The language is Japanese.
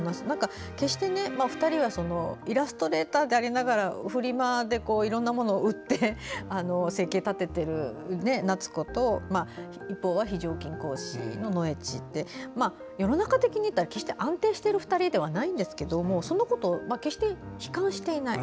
２人はイラストレーターでありながらフリマでいろんなものを売って生計を立ててる奈津子と一方は非常勤講師のノエチで世の中的に言ったら決して安定している２人ではないんですがそのことを決して悲観していない。